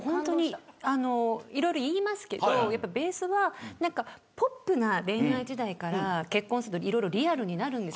いろいろ言いますけど、ベースはポップな恋愛時代から結婚するといろいろリアルになるんです。